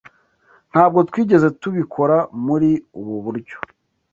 Ntabwo twigeze tubikora muri ubu buryo.